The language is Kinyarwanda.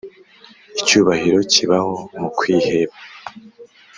icyubahiro kibaho mu kwiheba.